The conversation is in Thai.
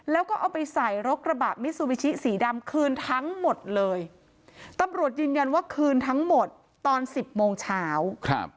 แล้วก็เอาไปใส่รถกระบะมิซูบิชิสีดำคืนทั้งหมดเลยตำรวจยืนยันว่าคืนทั้งหมดตอนสิบโมงเช้าครับ